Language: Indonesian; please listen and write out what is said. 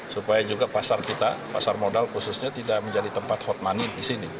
supaya juga pasar kita pasar modal khususnya tidak menjadi tempat hot money di sini